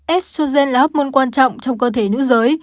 estrogen là hormone quan trọng trong cơ thể nữ giới